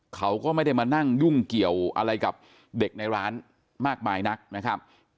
เขาก็ไม่ได้มานั่งยุ่งเกี่ยวอะไรกับเด็กในร้านมากมายนักนะครับ